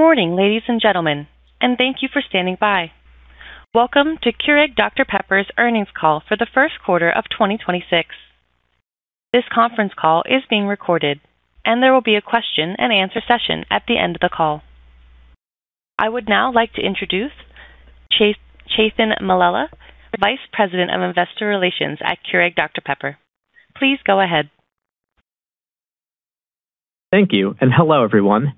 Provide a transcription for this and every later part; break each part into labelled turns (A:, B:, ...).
A: Good morning, ladies and gentlemen, and thank you for standing by. Welcome to Keurig Dr Pepper's earnings call for the first quarter of 2026. This conference call is being recorded, and there will be a question-and-answer session at the end of the call. I would now like to introduce Chethan Mallela, Vice President of Investor Relations at Keurig Dr Pepper. Please go ahead.
B: Thank you, and hello, everyone.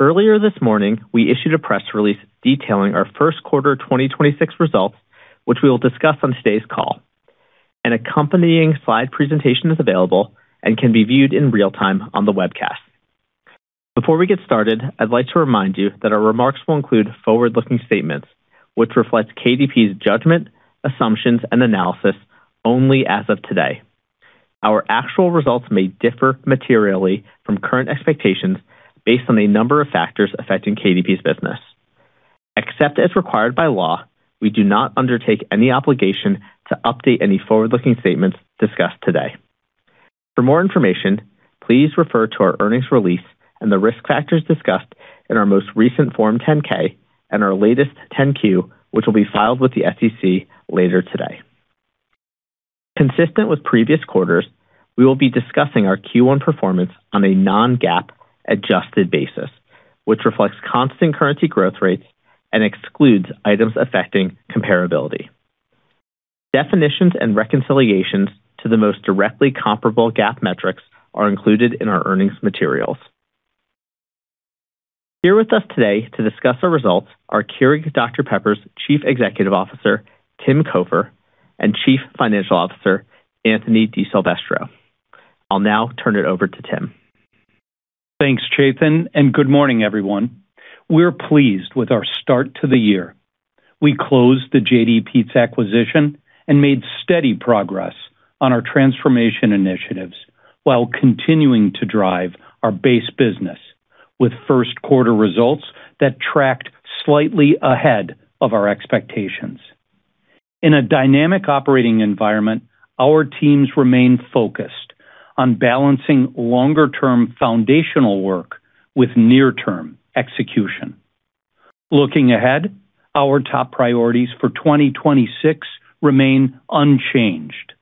B: Earlier this morning, we issued a press release detailing our first quarter 2026 results, which we will discuss on today's call. An accompanying slide presentation is available and can be viewed in real-time on the webcast. Before we get started, I'd like to remind you that our remarks will include forward-looking statements, which reflects KDP's judgment, assumptions, and analysis only as of today. Our actual results may differ materially from current expectations based on a number of factors affecting KDP's business. Except as required by law, we do not undertake any obligation to update any forward-looking statements discussed today. For more information, please refer to our earnings release and the Risk Factors discussed in our most recent Form 10-K and our latest 10-Q, which will be filed with the SEC later today. Consistent with previous quarters, we will be discussing our Q1 performance on a non-GAAP adjusted basis, which reflects constant currency growth rates and excludes items affecting comparability. Definitions and reconciliations to the most directly comparable GAAP metrics are included in our earnings materials. Here with us today to discuss our results are Keurig Dr Pepper's Chief Executive Officer, Tim Cofer, and Chief Financial Officer, Anthony DiSilvestro. I'll now turn it over to Tim.
C: Thanks, Chethan, and good morning, everyone. We're pleased with our start to the year. We closed the JDE Peet's acquisition and made steady progress on our transformation initiatives while continuing to drive our base business with first quarter results that tracked slightly ahead of our expectations. In a dynamic operating environment, our teams remain focused on balancing longer-term foundational work with near-term execution. Looking ahead, our top priorities for 2026 remain unchanged,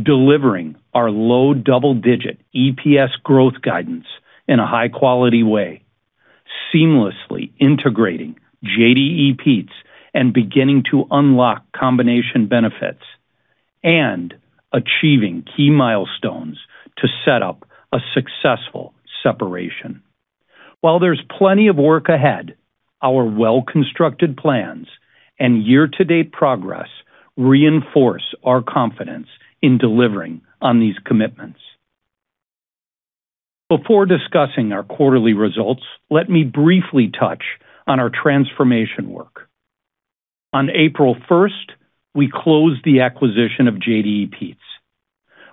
C: delivering our low double-digit EPS growth guidance in a high-quality way, seamlessly integrating JDE Peet's, and beginning to unlock combination benefits, and achieving key milestones to set up a successful separation. While there's plenty of work ahead, our well-constructed plans and year-to-date progress reinforce our confidence in delivering on these commitments. Before discussing our quarterly results, let me briefly touch on our transformation work. On April 1st, we closed the acquisition of JDE Peet's,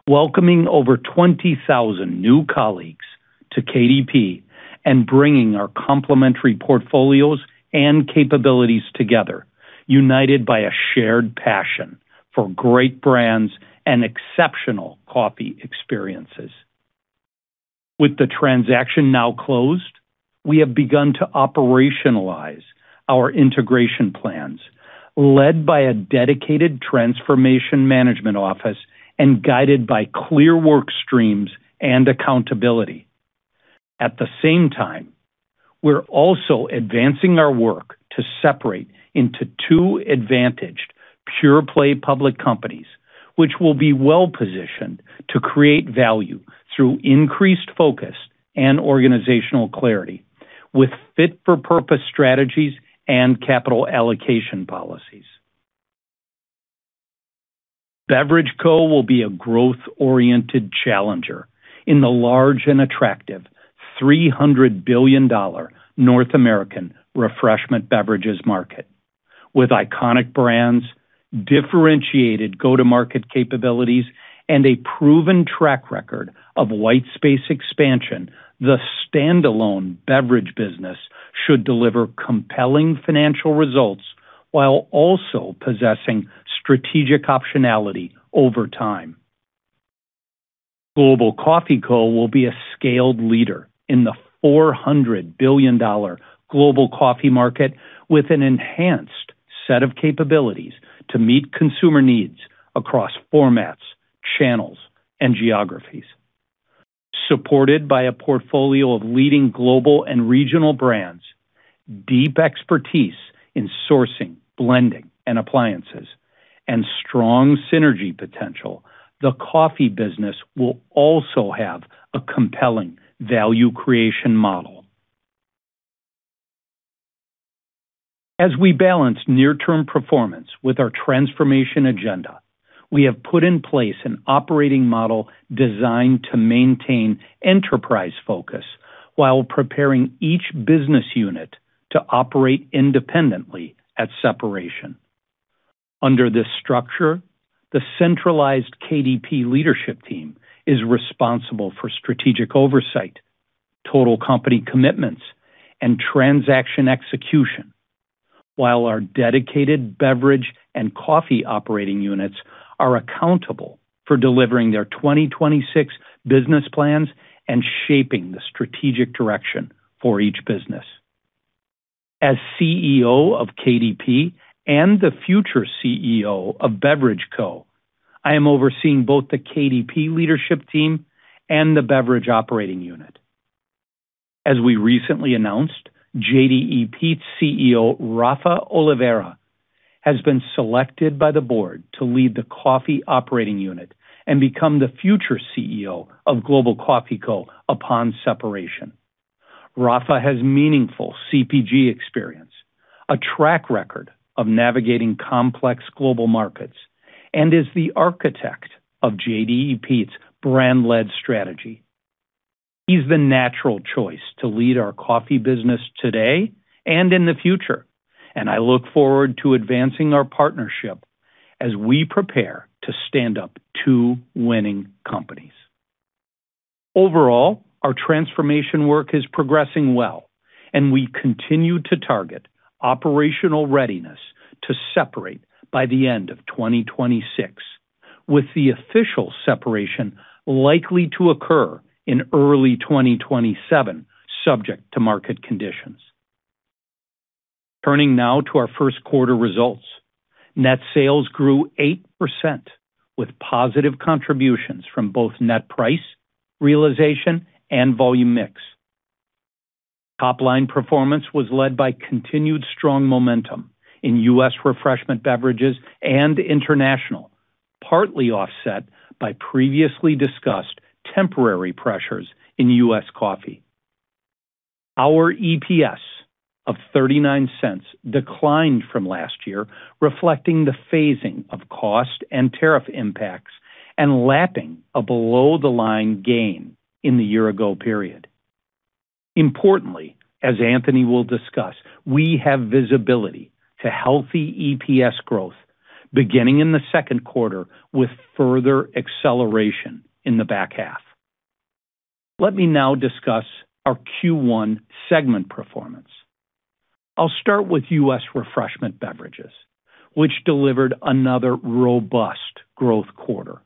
C: welcoming over 20,000 new colleagues to KDP and bringing our complementary portfolios and capabilities together, united by a shared passion for great brands and exceptional coffee experiences. With the transaction now closed, we have begun to operationalize our integration plans, led by a dedicated transformation management office and guided by clear work streams and accountability. At the same time, we're also advancing our work to separate into two advantaged pure-play public companies, which will be well-positioned to create value through increased focus and organizational clarity, with fit-for-purpose strategies and capital allocation policies. Beverage Co will be a growth-oriented challenger in the large and attractive $300 billion North American Refreshment Beverages market. With iconic brands, differentiated go-to-market capabilities, and a proven track record of white space expansion, the standalone beverage business should deliver compelling financial results while also possessing strategic optionality over time. Global Coffee Co. will be a scaled leader in the $400 billion global coffee market with an enhanced set of capabilities to meet consumer needs across formats, channels, and geographies. Supported by a portfolio of leading global and regional brands, deep expertise in sourcing, blending, and appliances, and strong synergy potential, the coffee business will also have a compelling value creation model. As we balance near-term performance with our transformation agenda, we have put in place an operating model designed to maintain enterprise focus while preparing each business unit to operate independently at separation. Under this structure, the centralized KDP leadership team is responsible for strategic oversight, total company commitments, and transaction execution. While our dedicated beverage and coffee operating units are accountable for delivering their 2026 business plans and shaping the strategic direction for each business. As CEO of KDP and the future CEO of Beverage Co., I am overseeing both the KDP leadership team and the beverage operating unit. As we recently announced, JDE Peet's CEO, Rafa Oliveira, has been selected by the board to lead the coffee operating unit and become the future CEO of Global Coffee Co. upon separation. Rafa has meaningful CPG experience, a track record of navigating complex global markets, and is the architect of JDE Peet's brand-led strategy. He's the natural choice to lead our Coffee business today and in the future, and I look forward to advancing our partnership as we prepare to stand up two winning companies. Overall, our transformation work is progressing well, and we continue to target operational readiness to separate by the end of 2026, with the official separation likely to occur in early 2027, subject to market conditions. Turning now to our first quarter results. Net sales grew 8% with positive contributions from both net price, realization, and volume mix. Top-line performance was led by continued strong momentum in U.S. Refreshment Beverages and international, partly offset by previously discussed temporary pressures in U.S. Coffee. Our EPS of $0.39 declined from last year, reflecting the phasing of cost and tariff impacts and lapping a below the line gain in the year-ago period. Importantly, as Anthony will discuss, we have visibility to healthy EPS growth beginning in the second quarter with further acceleration in the back half. Let me now discuss our Q1 segment performance. I'll start with U.S. Refreshment Beverages, which delivered another robust growth quarter.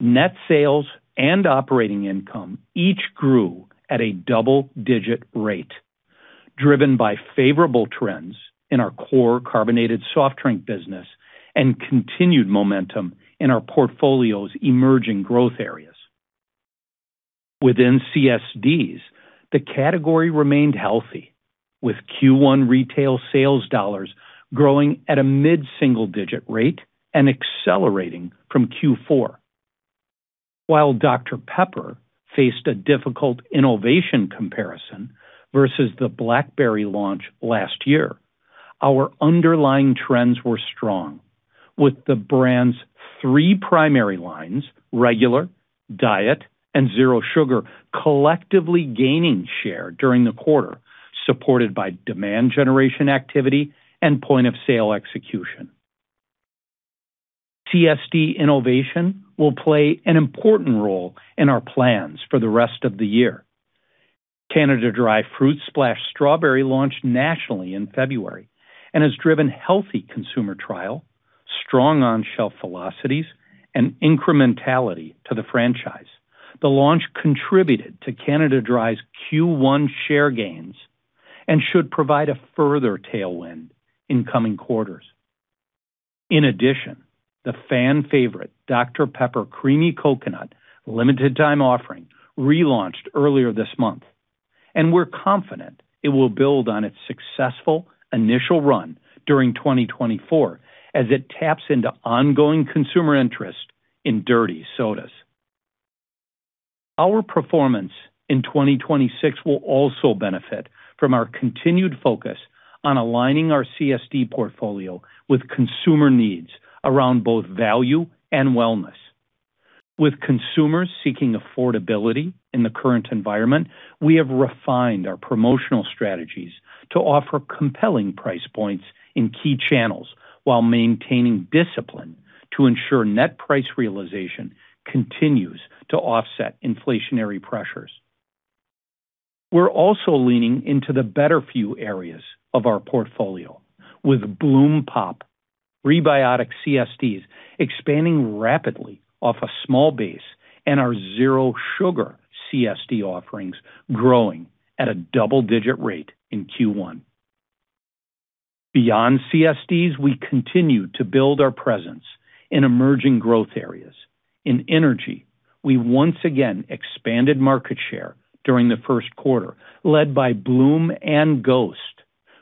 C: Net sales and operating income each grew at a double-digit rate, driven by favorable trends in our core Carbonated Soft Drink business and continued momentum in our portfolio's emerging growth areas. Within CSDs, the category remained healthy, with Q1 retail sales dollars growing at a mid-single-digit rate and accelerating from Q4. While Dr Pepper faced a difficult innovation comparison versus the Blackberry launch last year, our underlying trends were strong, with the brand's three primary lines, regular, diet, and zero sugar, collectively gaining share during the quarter, supported by demand generation activity and point of sale execution. CSD innovation will play an important role in our plans for the rest of the year. Canada Dry Fruit Splash Strawberry launched nationally in February and has driven healthy consumer trial, strong on-shelf velocities, and incrementality to the franchise. The launch contributed to Canada Dry's Q1 share gains and should provide a further tailwind in coming quarters. In addition, the fan favorite Dr Pepper Creamy Coconut limited-time offering relaunched earlier this month, and we're confident it will build on its successful initial run during 2024 as it taps into ongoing consumer interest in dirty sodas. Our performance in 2026 will also benefit from our continued focus on aligning our CSD portfolio with consumer needs around both value and wellness. With consumers seeking affordability in the current environment, we have refined our promotional strategies to offer compelling price points in key channels while maintaining discipline to ensure net price realization continues to offset inflationary pressures. We're also leaning into the better few areas of our portfolio with Bloom Pop prebiotic CSDs expanding rapidly off a small base and our zero sugar CSD offerings growing at a double-digit rate in Q1. Beyond CSDs, we continue to build our presence in emerging growth areas. In energy, we once again expanded market share during the first quarter, led by Bloom and Ghost,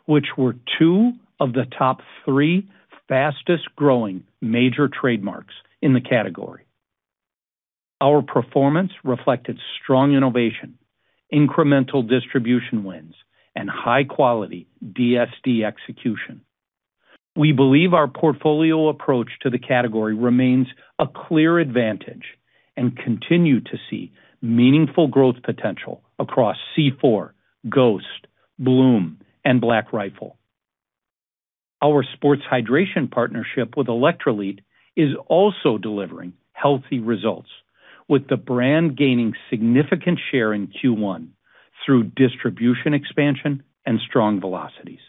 C: which were two of the top three fastest-growing major trademarks in the category. Our performance reflected strong innovation, incremental distribution wins, and high-quality DSD execution. We believe our portfolio approach to the category remains a clear advantage and continue to see meaningful growth potential across C4, Ghost, Bloom, and Black Rifle. Our sports hydration partnership with Electrolit is also delivering healthy results. With the brand gaining significant share in Q1 through distribution expansion and strong velocities.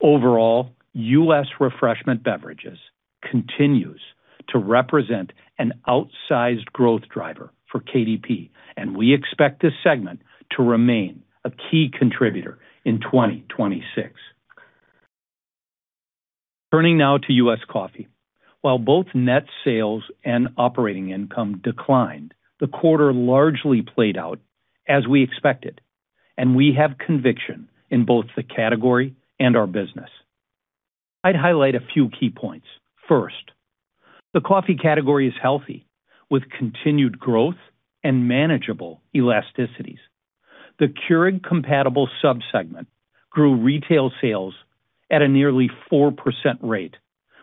C: Overall, U.S. Refreshment Beverages continues to represent an outsized growth driver for KDP, and we expect this segment to remain a key contributor in 2026. Turning now to U.S. Coffee. While both net sales and operating income declined, the quarter largely played out as we expected, and we have conviction in both the category and our business. I'd highlight a few key points. First, the coffee category is healthy with continued growth and manageable elasticities. The Keurig-compatible sub-segment grew retail sales at a nearly 4% rate,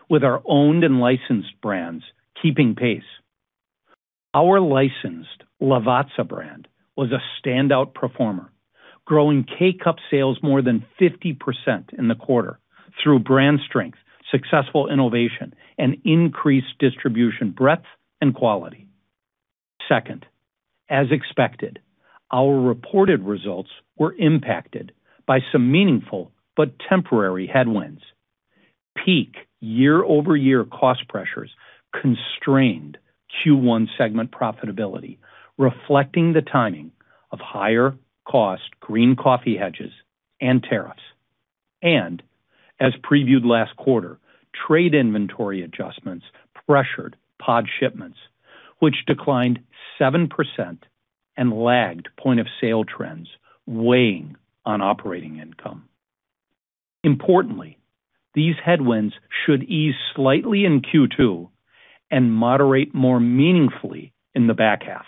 C: with our owned and licensed brands keeping pace. Our licensed Lavazza brand was a standout performer, growing K-Cup sales more than 50% in the quarter through brand strength, successful innovation, and increased distribution breadth and quality. Second, as expected, our reported results were impacted by some meaningful but temporary headwinds. Peak year-over-year cost pressures constrained Q1 segment profitability, reflecting the timing of higher cost green coffee hedges and tariffs. As previewed last quarter, trade inventory adjustments pressured pod shipments, which declined 7% and lagged point-of-sale trends, weighing on operating income. Importantly, these headwinds should ease slightly in Q2 and moderate more meaningfully in the back half,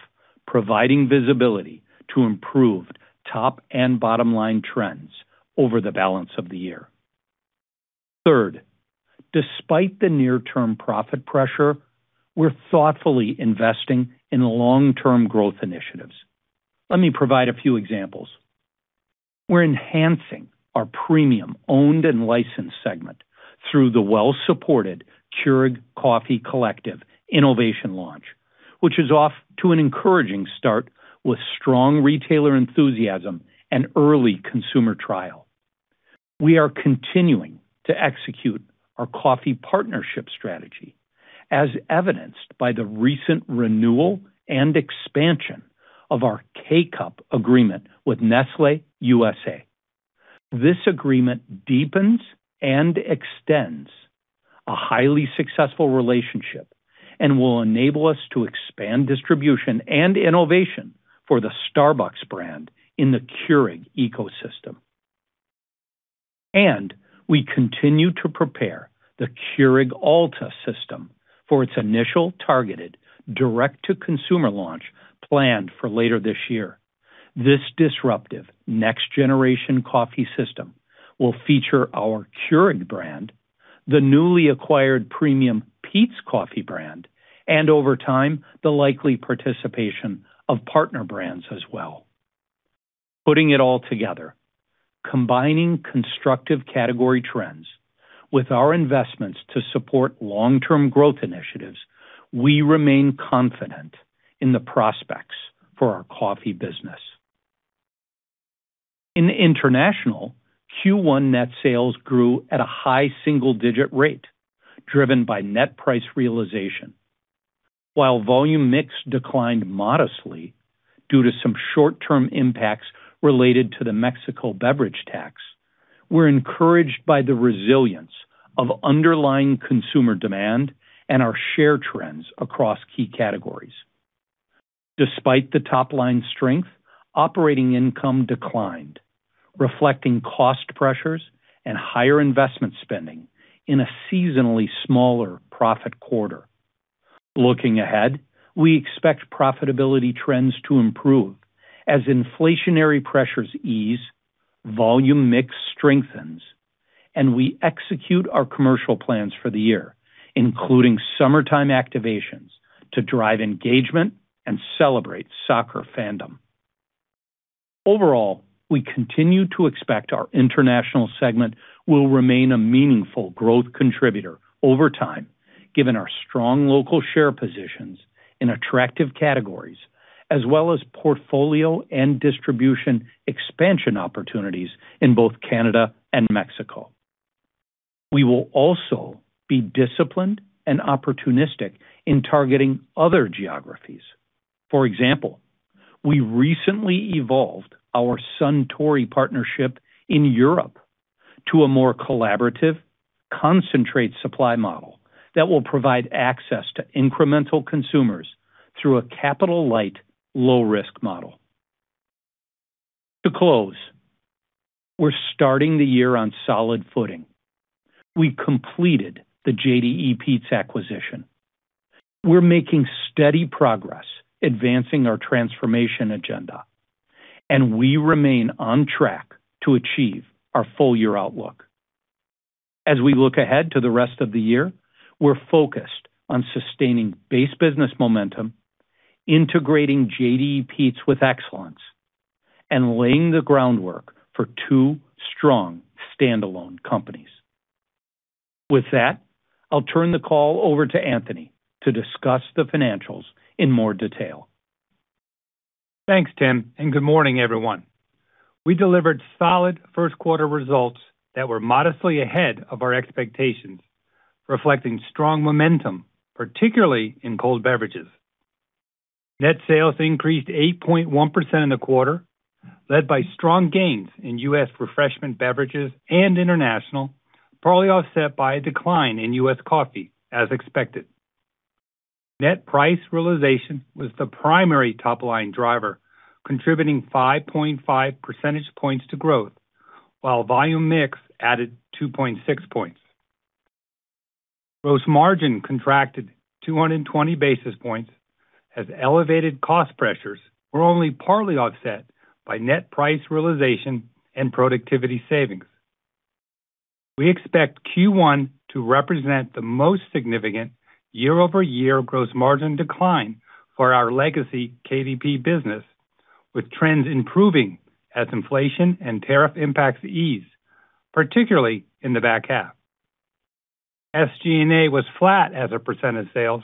C: providing visibility to improved top and bottom-line trends over the balance of the year. Third, despite the near-term profit pressure, we're thoughtfully investing in long-term growth initiatives. Let me provide a few examples. We're enhancing our premium owned and licensed segment through the well-supported Keurig Coffee Collective innovation launch, which is off to an encouraging start with strong retailer enthusiasm and early consumer trial. We are continuing to execute our coffee partnership strategy, as evidenced by the recent renewal and expansion of our K-Cup agreement with Nestlé USA. This agreement deepens and extends a highly successful relationship and will enable us to expand distribution and innovation for the Starbucks brand in the Keurig ecosystem. We continue to prepare the Keurig Alta system for its initial targeted direct-to-consumer launch planned for later this year. This disruptive next-generation coffee system will feature our Keurig brand, the newly acquired premium Peet's Coffee brand, and over time, the likely participation of partner brands as well. Putting it all together, combining constructive category trends with our investments to support long-term growth initiatives, we remain confident in the prospects for our Coffee business. In International, Q1 net sales grew at a high single-digit rate, driven by net price realization. While volume mix declined modestly due to some short-term impacts related to the Mexico beverage tax, we're encouraged by the resilience of underlying consumer demand and our share trends across key categories. Despite the top-line strength, operating income declined, reflecting cost pressures and higher investment spending in a seasonally smaller profit quarter. Looking ahead, we expect profitability trends to improve as inflationary pressures ease, volume mix strengthens, and we execute our commercial plans for the year, including summertime activations to drive engagement and celebrate soccer fandom. Overall, we continue to expect our International segment will remain a meaningful growth contributor over time, given our strong local share positions in attractive categories as well as portfolio and distribution expansion opportunities in both Canada and Mexico. We will also be disciplined and opportunistic in targeting other geographies. For example, we recently evolved our Suntory partnership in Europe to a more collaborative concentrate supply model that will provide access to incremental consumers through a capital-light, low-risk model. To close, we're starting the year on solid footing. We completed the JDE Peet's acquisition. We're making steady progress advancing our transformation agenda, and we remain on track to achieve our full-year outlook. As we look ahead to the rest of the year, we're focused on sustaining base business momentum, integrating JDE Peet's with excellence, and laying the groundwork for two strong standalone companies. With that, I'll turn the call over to Anthony to discuss the financials in more detail.
D: Thanks, Tim, and good morning everyone. We delivered solid first quarter results that were modestly ahead of our expectations, reflecting strong momentum, particularly in cold beverages. Net sales increased 8.1% in the quarter, led by strong gains in U.S. Refreshment Beverages and International, partly offset by a decline in U.S. Coffee as expected. Net price realization was the primary top-line driver, contributing 5.5 percentage points to growth while volume mix added 2.6 points. Gross margin contracted 220 basis points as elevated cost pressures were only partly offset by net price realization and productivity savings. We expect Q1 to represent the most significant year-over-year gross margin decline for our legacy KDP business, with trends improving as inflation and tariff impacts ease, particularly in the back half. SG&A was flat as a percent of sales,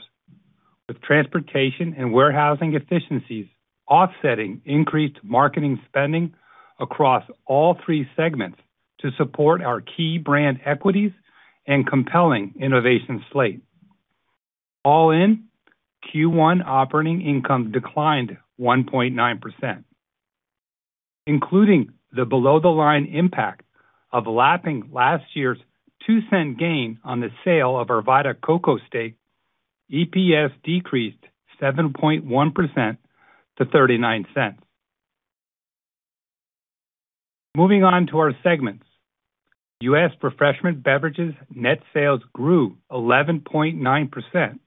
D: with transportation and warehousing efficiencies offsetting increased marketing spending across all three segments to support our key brand equities and compelling innovation slate. All in, Q1 operating income declined 1.9%. Including the below the line impact of lapping last year's $0.02 gain on the sale of our Vita Coco stake, EPS decreased 7.1% to $0.39. Moving on to our segments. U.S. Refreshment Beverages net sales grew 11.9%,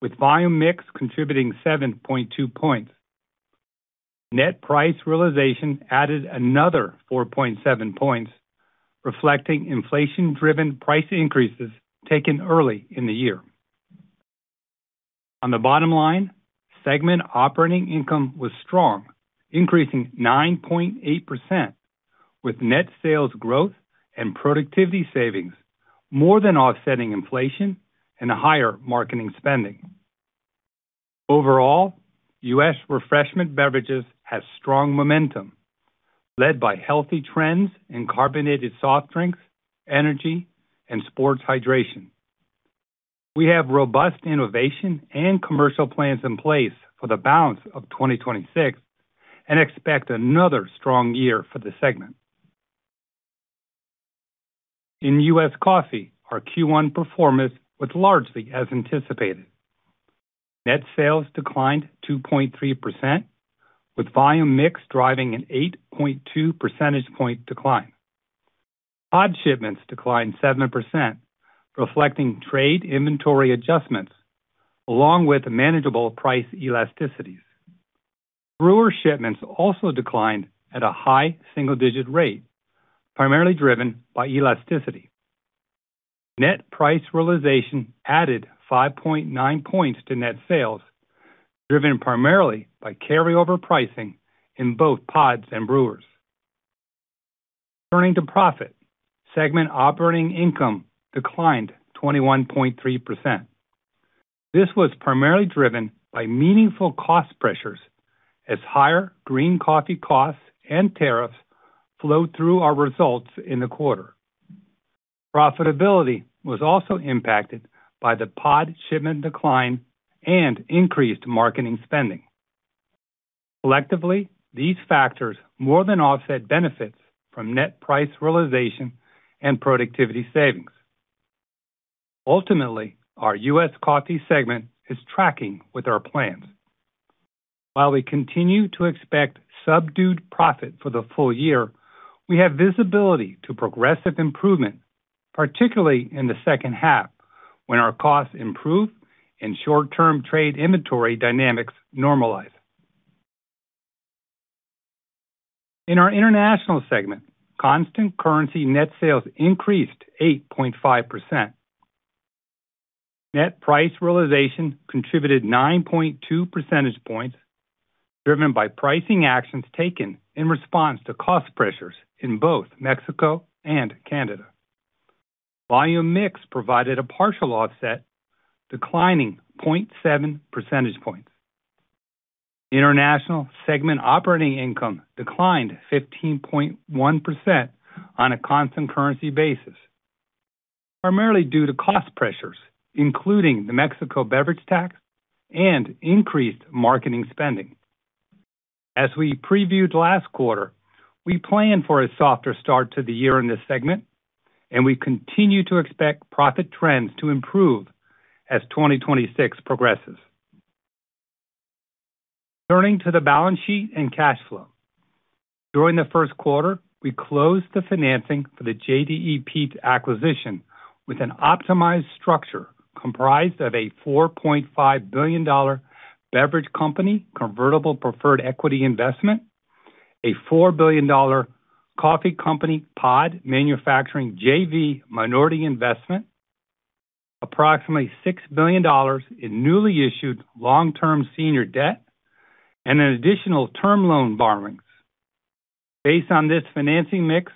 D: with volume mix contributing 7.2 points. Net price realization added another 4.7 points, reflecting inflation-driven price increases taken early in the year. On the bottom line, segment operating income was strong, increasing 9.8%, with net sales growth and productivity savings more than offsetting inflation and higher marketing spending. Overall, U.S. Refreshment Beverages has strong momentum led by healthy trends in carbonated soft drinks, energy, and sports hydration. We have robust innovation and commercial plans in place for the balance of 2026 and expect another strong year for the segment. In U.S. Coffee, our Q1 performance was largely as anticipated. Net sales declined 2.3%, with volume mix driving an 8.2 percentage point decline. Pod shipments declined 7%, reflecting trade inventory adjustments along with manageable price elasticities. Brewer shipments also declined at a high single-digit rate, primarily driven by elasticity. Net price realization added 5.9 points to net sales, driven primarily by carryover pricing in both pods and brewers. Turning to profit, segment operating income declined 21.3%. This was primarily driven by meaningful cost pressures as higher green coffee costs and tariffs flowed through our results in the quarter. Profitability was also impacted by the pod shipment decline and increased marketing spending. Collectively, these factors more than offset benefits from net price realization and productivity savings. Ultimately, our U.S. Coffee segment is tracking with our plans. While we continue to expect subdued profit for the full-year, we have visibility to progressive improvement, particularly in the second half when our costs improve and short-term trade inventory dynamics normalize. In our International segment, constant currency net sales increased 8.5%. Net price realization contributed 9.2 percentage points, driven by pricing actions taken in response to cost pressures in both Mexico and Canada. Volume mix provided a partial offset, declining 0.7 percentage points. International segment operating income declined 15.1% on a constant currency basis, primarily due to cost pressures, including the Mexico beverage tax and increased marketing spending. As we previewed last quarter, we plan for a softer start to the year in this segment, and we continue to expect profit trends to improve as 2026 progresses. Turning to the balance sheet and cash flow. During the first quarter, we closed the financing for the JDE Peet's acquisition with an optimized structure comprised of a $4.5 billion beverage company convertible preferred equity investment, a $4 billion coffee company pod manufacturing JV minority investment, approximately $6 billion in newly issued long-term senior debt, and an additional term loan borrowing. Based on this financing mix,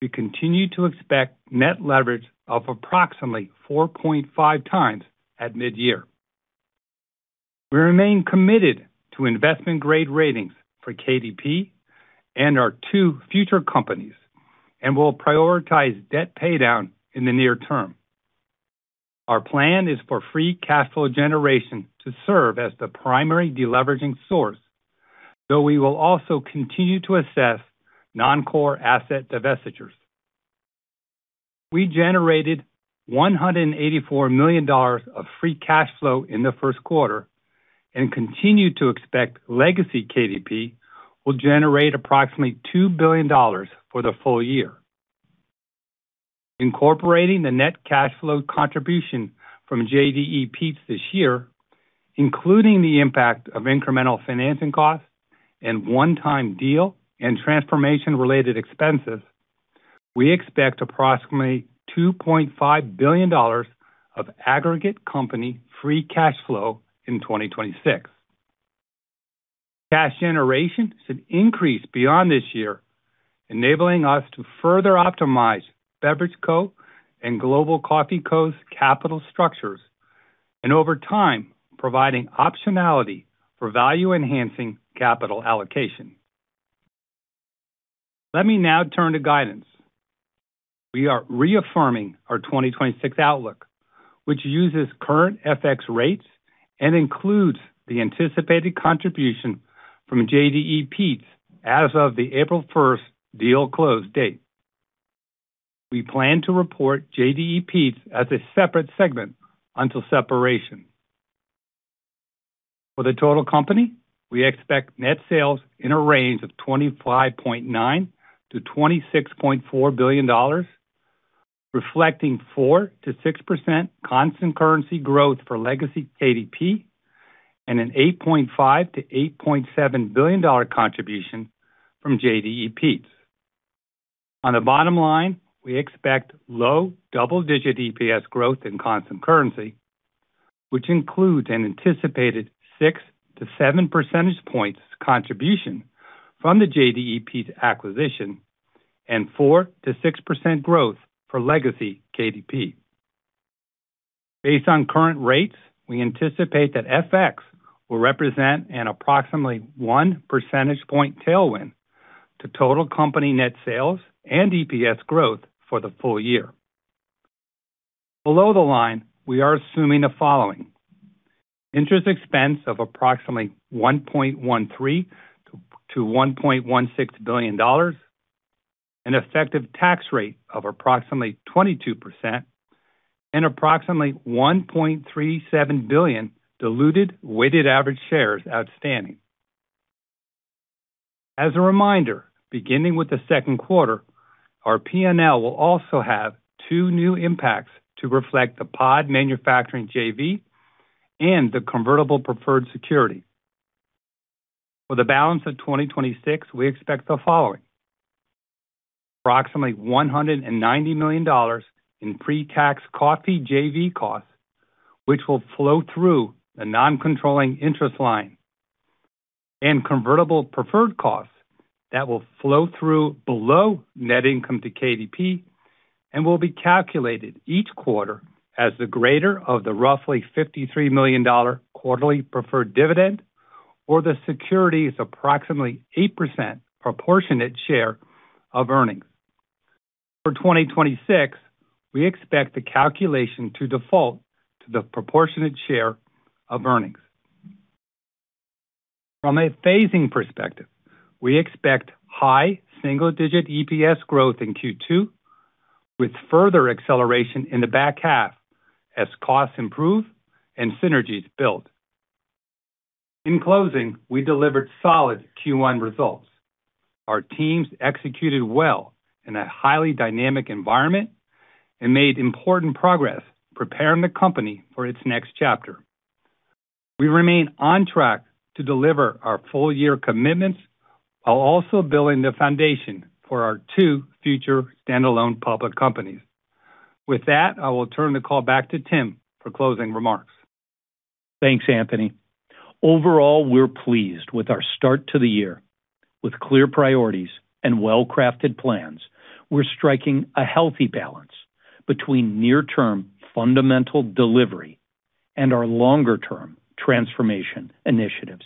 D: we continue to expect net leverage of approximately 4.5x at mid-year. We remain committed to investment-grade ratings for KDP and our two future companies, and will prioritize debt paydown in the near-term. Our plan is for free cash flow generation to serve as the primary de-leveraging source, though we will also continue to assess non-core asset divestitures. We generated $184 million of free cash flow in the first quarter, and continue to expect legacy KDP will generate approximately $2 billion for the full-year. Incorporating the net cash flow contribution from JDE Peet's this year, including the impact of incremental financing costs and one-time deal and transformation-related expenses, we expect approximately $2.5 billion of aggregate company free cash flow in 2026. Cash generation should increase beyond this year, enabling us to further optimize Beverage Co. and Global Coffee Co.'s capital structures, and over time, providing optionality for value-enhancing capital allocation. Let me now turn to guidance. We are reaffirming our 2026 outlook, which uses current FX rates and includes the anticipated contribution from JDE Peet's as of the April 1st deal close date. We plan to report JDE Peet's as a separate segment until separation. For the total company, we expect net sales in a range of $25.9 billion-$26.4 billion, reflecting 4%-6% constant currency growth for legacy KDP, and an $8.5 billion-$8.7 billion contribution from JDE Peet's. On the bottom line, we expect low double-digit EPS growth in constant currency, which includes an anticipated 6 percentage points to 7 percentage points contribution from the JDE Peet's acquisition and 4%-6% growth for legacy KDP. Based on current rates, we anticipate that FX will represent an approximately 1 percentage point tailwind to total company net sales and EPS growth for the full-year. Below the line, we are assuming the following. Interest expense of approximately $1.13 billion-$1.16 billion, an effective tax rate of approximately 22%, and approximately $1.37 billion diluted weighted average shares outstanding. As a reminder, beginning with the second quarter, our P&L will also have two new impacts to reflect the pod manufacturing JV and the convertible preferred security. For the balance of 2026, we expect the following. Approximately $190 million in pre-tax coffee JV costs, which will flow through the non-controlling interest line, and convertible preferred costs that will flow through below net income to KDP and will be calculated each quarter as the greater of the roughly $53 million quarterly preferred dividend or the security's approximately 8% proportionate share of earnings. For 2026, we expect the calculation to default to the proportionate share of earnings. From a phasing perspective, we expect high single-digit EPS growth in Q2 with further acceleration in the back half as costs improve and synergies build. In closing, we delivered solid Q1 results. Our teams executed well in a highly dynamic environment and made important progress preparing the company for its next chapter. We remain on track to deliver our full year commitments while also building the foundation for our two future standalone public companies. With that, I will turn the call back to Tim for closing remarks.
C: Thanks, Anthony. Overall, we're pleased with our start to the year. With clear priorities and well-crafted plans, we're striking a healthy balance between near-term fundamental delivery and our longer-term transformation initiatives.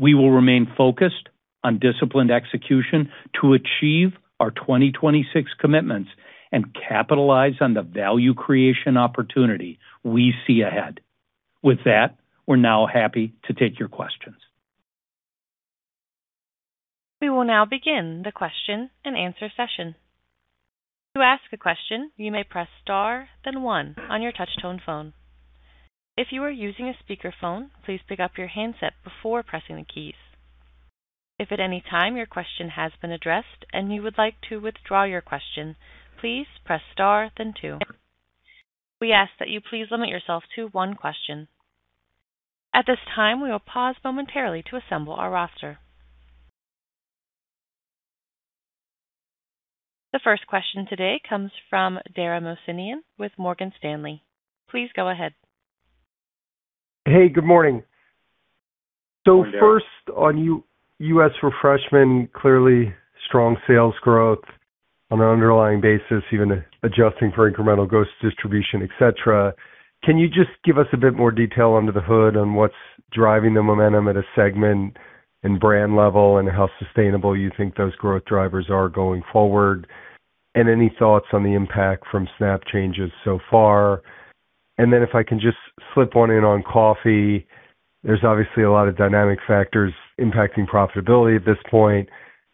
C: We will remain focused on disciplined execution to achieve our 2026 commitments and capitalize on the value creation opportunity we see ahead. With that, we're now happy to take your questions.
A: We will now begin the question-and-answer session. To ask a question, you may press star then one on your touch tone phone. If you are using a speakerphone, please pick up your handset before pressing the keys. If at any time your question has been addressed and you would like to withdraw your question, please press star then two. We ask that you please limit yourself to one question. At this time, we will pause momentarily to assemble our roster. The first question today comes from Dara Mohsenian with Morgan Stanley. Please go ahead.
E: Hey, good morning.
C: Good morning.
E: First on U.S. Refreshment, clearly strong sales growth on an underlying basis, even adjusting for incremental Ghost distribution, et cetera. Can you just give us a bit more detail under the hood on what's driving the momentum at a segment and brand level, and how sustainable you think those growth drivers are going forward? Any thoughts on the impact from SNAP changes so far? Then if I can just slip one in on coffee, there's obviously a lot of dynamic factors impacting profitability at this point.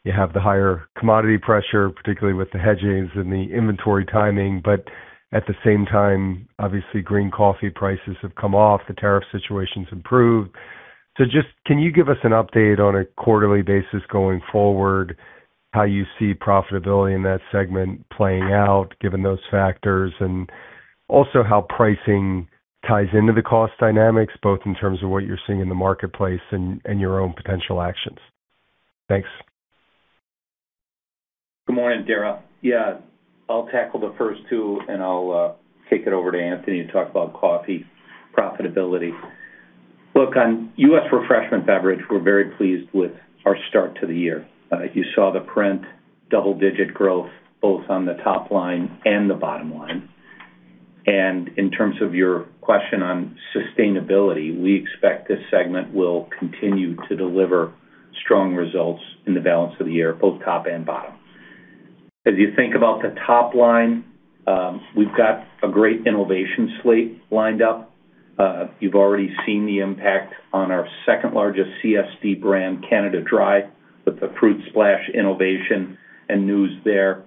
E: You have the higher commodity pressure, particularly with the hedgings and the inventory timing, but at the same time, obviously, green coffee prices have come off, the tariff situation's improved. Just can you give us an update on a quarterly basis going forward, how you see profitability in that segment playing out given those factors? Also how pricing ties into the cost dynamics, both in terms of what you're seeing in the marketplace and your own potential actions. Thanks.
C: Good morning, Dara. Yeah. I'll tackle the first two, and I'll kick it over to Anthony to talk about coffee profitability. Look, on U.S. Refreshment Beverage, we're very pleased with our start to the year. You saw the print double-digit growth both on the top line and the bottom line. In terms of your question on sustainability, we expect this segment will continue to deliver strong results in the balance of the year, both top and bottom. As you think about the top line, we've got a great innovation slate lined up. You've already seen the impact on our second-largest CSD brand, Canada Dry, with the Fruit Splash innovation and news there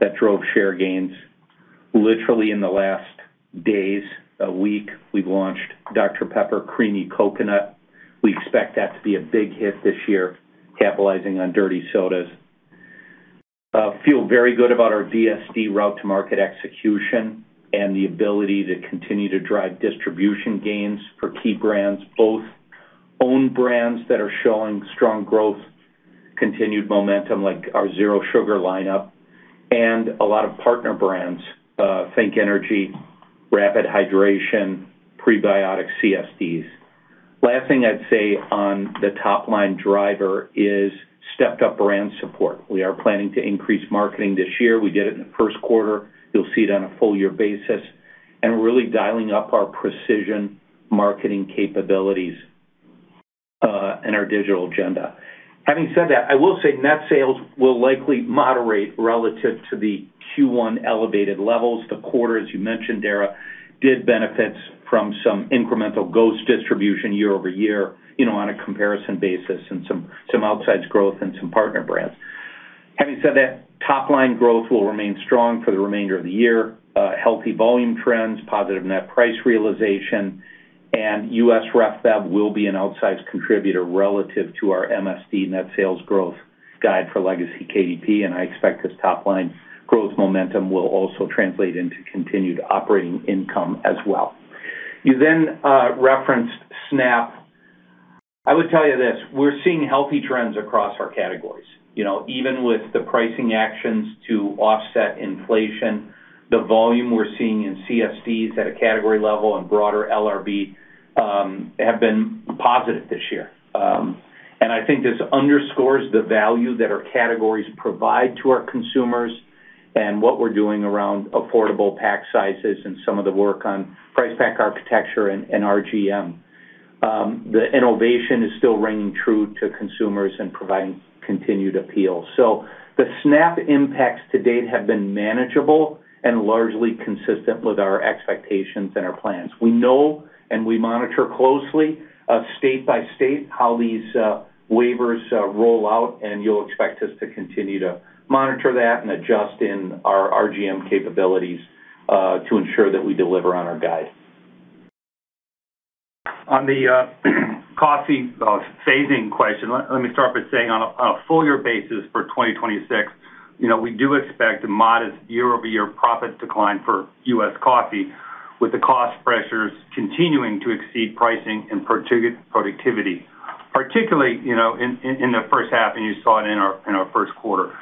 C: that drove share gains. Literally, in the last days, a week, we've launched Dr Pepper Creamy Coconut. We expect that to be a big hit this year, capitalizing on dirty sodas. Feel very good about our DSD route to market execution and the ability to continue to drive distribution gains for key brands, both own brands that are showing strong growth, continued momentum like our zero sugar lineup, and a lot of partner brands, think Energy, Rapid Hydration, Prebiotic CSDs. Last thing I'd say on the top-line driver is stepped-up brand support. We are planning to increase marketing this year. We did it in the first quarter. You'll see it on a full-year basis, and we're really dialing up our precision marketing capabilities, and our digital agenda. Having said that, I will say net sales will likely moderate relative to the Q1 elevated levels. The quarter, as you mentioned, Dara, did benefit from some incremental Ghost distribution year-over-year on a comparison basis and some outsized growth and some partner brands. Having said that, top-line growth will remain strong for the remainder of the year. Healthy volume trends, positive net price realization, and U.S. Ref Bev will be an outsized contributor relative to our MSD net sales growth guide for Legacy KDP, and I expect this top-line growth momentum will also translate into continued operating income as well. You then referenced SNAP. I would tell you this, we're seeing healthy trends across our categories. Even with the pricing actions to offset inflation, the volume we're seeing in CSDs at a category level and broader LRB, have been positive this year. I think this underscores the value that our categories provide to our consumers and what we're doing around affordable pack sizes and some of the work on price pack architecture and RGM. The innovation is still ringing true to consumers and providing continued appeal. The SNAP impacts to date have been manageable and largely consistent with our expectations and our plans. We know and we monitor closely, state by state, how these waivers roll out, and you'll expect us to continue to monitor that and adjust in our RGM capabilities, to ensure that we deliver on our guide.
D: On the coffee phasing question, let me start by saying on a full year basis for 2026, we do expect a modest year-over-year profit decline for U.S. Coffee, with the cost pressures continuing to exceed pricing and productivity. Particularly, in the first half, and you saw it in our first quarter.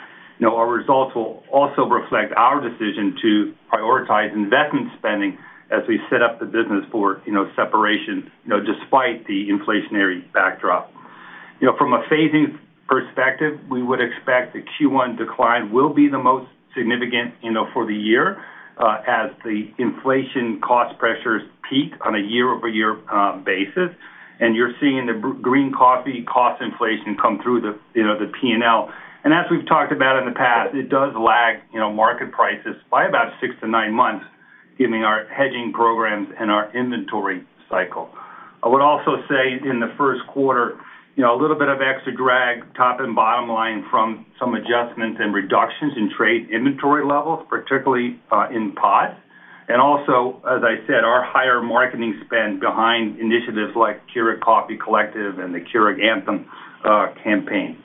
D: Our results will also reflect our decision to prioritize investment spending as we set up the business for separation despite the inflationary backdrop. From a phasing perspective, we would expect the Q1 decline will be the most significant for the year, as the inflation cost pressures peak on a year-over-year basis, and you're seeing the green coffee cost inflation come through the P&L. As we've talked about in the past, it does lag market prices by about 6-9 months given our hedging programs and our inventory cycle. I would also say in the first quarter, a little bit of extra drag, top and bottom line, from some adjustments and reductions in trade inventory levels, particularly in pod. Also, as I said, our higher marketing spend behind initiatives like Keurig Coffee Collective and the Keurig Anthem campaign.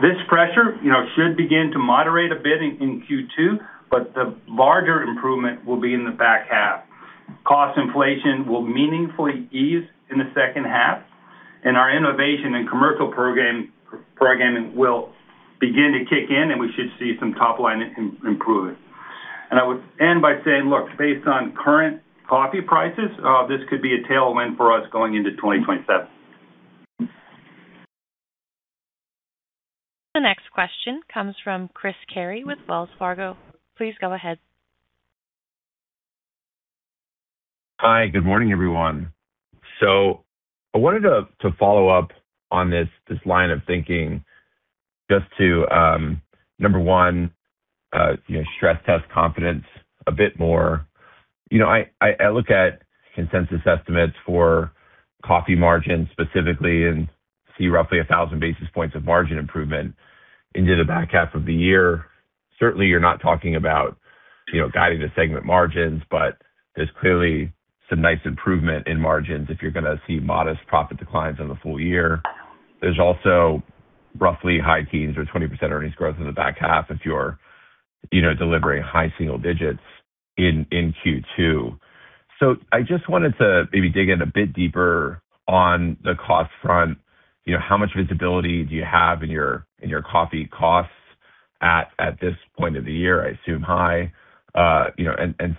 D: This pressure should begin to moderate a bit in Q2, but the larger improvement will be in the back half. Cost inflation will meaningfully ease in the second half, and our innovation and commercial program will begin to kick in, and we should see some top line improvement. I would end by saying, look, based on current coffee prices, this could be a tailwind for us going into 2027.
A: The next question comes from Chris Carey with Wells Fargo. Please go ahead.
F: Hi. Good morning, everyone. I wanted to follow-up on this line of thinking just to, number one, stress test confidence a bit more. I look at consensus estimates for coffee margins specifically and see roughly 1,000 basis points of margin improvement into the back half of the year. Certainly, you're not talking about guiding the segment margins, but there's clearly some nice improvement in margins if you're going to see modest profit declines in the full-year. There's also roughly high teens or 20% earnings growth in the back half if you're delivering high single-digits in Q2. I just wanted to maybe dig in a bit deeper on the cost front. How much visibility do you have in your coffee costs at this point of the year? I assume high.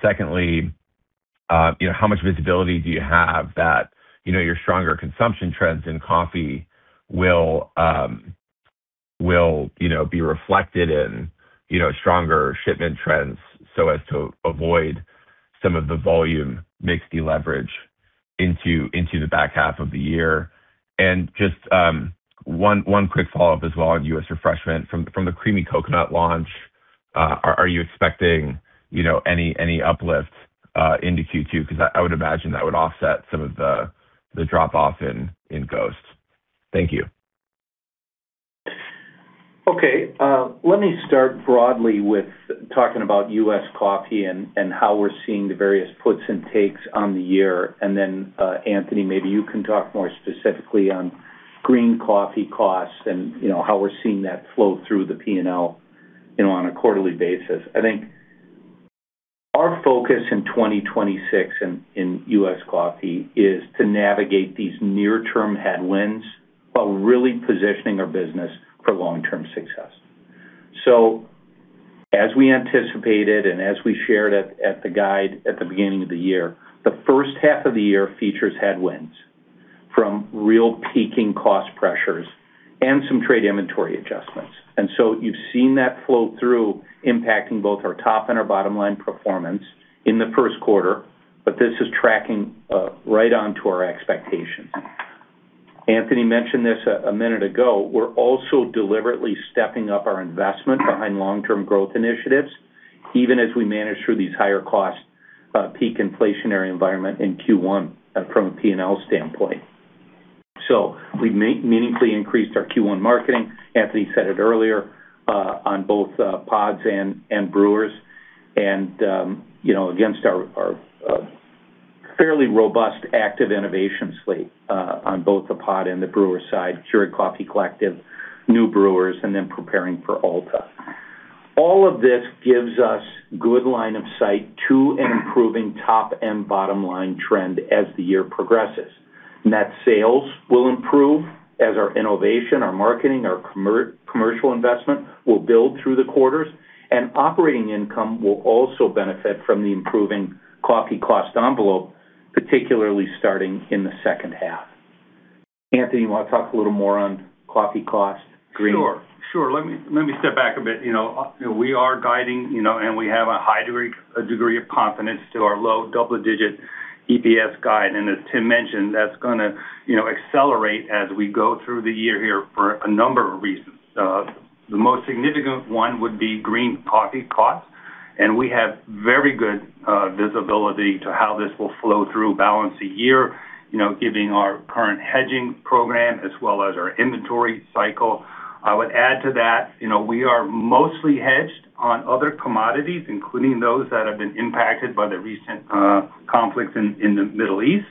F: Secondly, how much visibility do you have that your stronger consumption trends in coffee will be reflected in stronger shipment trends so as to avoid some of the volume mix deleverage into the back half of the year? Just one quick follow-up as well on U.S. Refreshment. From the Creamy Coconut launch, are you expecting any uplifts into Q2? Because I would imagine that would offset some of the drop-off in Ghost. Thank you.
C: Okay. Let me start broadly with talking about U.S. Coffee and how we're seeing the various puts and takes on the year. Then Anthony, maybe you can talk more specifically on green coffee costs and how we're seeing that flow through the P&L on a quarterly basis. I think our focus in 2026 in U.S. Coffee is to navigate these near-term headwinds while really positioning our business for long-term success. As we anticipated and as we shared at the guide at the beginning of the year, the first half of the year features headwinds from real peaking cost pressures and some trade inventory adjustments. You've seen that flow through impacting both our top and our bottom line performance in the first quarter, but this is tracking right onto our expectations. Anthony mentioned this a minute ago. We're also deliberately stepping up our investment behind long-term growth initiatives, even as we manage through these higher cost peak inflationary environment in Q1 from a P&L standpoint. We meaningfully increased our Q1 marketing, Anthony said it earlier, on both pods and brewers, and against our fairly robust active innovation slate on both the pod and the brewer side, Keurig Coffee Collective, new brewers, and then preparing for Alta. All of this gives us good line of sight to an improving top and bottom line trend as the year progresses. Net sales will improve as our innovation, our marketing, our commercial investment will build through the quarters, and operating income will also benefit from the improving coffee cost envelope, particularly starting in the second half. Anthony, you want to talk a little more on coffee cost, green?
D: Sure. Let me step back a bit. We are guiding, and we have a high degree of confidence to our low double-digit EPS guide. As Tim mentioned, that's going to accelerate as we go through the year here for a number of reasons. The most significant one would be green coffee costs, and we have very good visibility to how this will flow through the balance of the year, given our current hedging program as well as our inventory cycle. I would add to that, we are mostly hedged on other commodities, including those that have been impacted by the recent conflicts in the Middle East.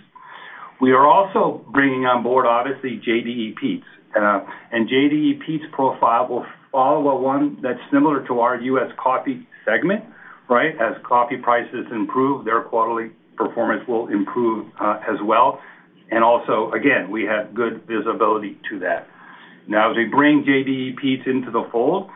D: We are also bringing on board, obviously, JDE Peet's. JDE Peet's profile will follow one that's similar to our U.S. Coffee segment. As coffee prices improve, their quarterly performance will improve as well. Also, again, we have good visibility to that. Now, as we bring JDE Peet's into the fold,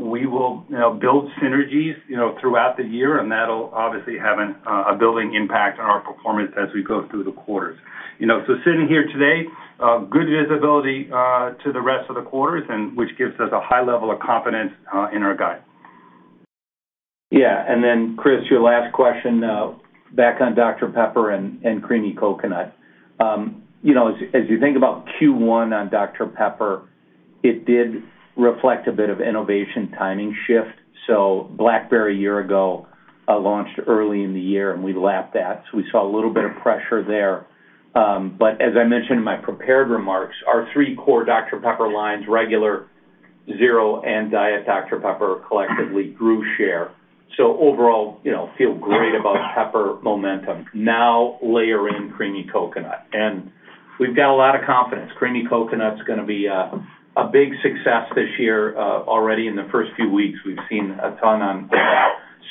D: we will build synergies throughout the year, and that'll obviously have a building impact on our performance as we go through the quarters. Sitting here today, good visibility to the rest of the quarters, which gives us a high level of confidence in our guide.
C: Yeah. Then Chris, your last question back on Dr Pepper and Creamy Coconut. As you think about Q1 on Dr Pepper, it did reflect a bit of innovation timing shift. Blackberry a year ago launched early in the year and we lapped that. We saw a little bit of pressure there. As I mentioned in my prepared remarks, our three core Dr Pepper lines, regular, zero, and diet Dr Pepper, collectively grew share. Overall, feel great about Pepper momentum. Now layer in Creamy Coconut, and we've got a lot of confidence. Creamy Coconut is going to be a big success this year. Already in the first few weeks, we've seen a ton on